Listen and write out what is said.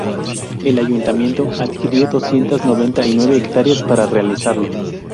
El Ayuntamiento adquirió doscientas noventa y nueve hectáreas para realizarlo.